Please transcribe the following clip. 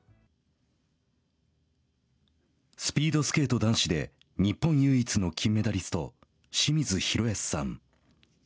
スピードスケート男子で日本唯一の金メダリスト清水宏保さん。